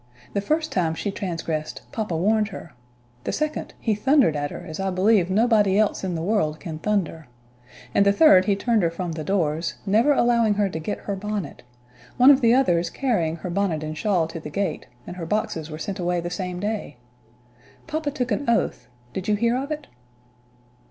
The first time she transgressed, papa warned her; the second, he thundered at her as I believe nobody else in the world can thunder; and the third he turned her from the doors, never allowing her to get her bonnet; one of the others carrying her bonnet and shawl to the gate, and her boxes were sent away the same day. Papa took an oath did you hear of it?"